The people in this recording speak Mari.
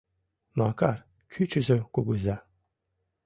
Макар — кӱчызӧ кугыза.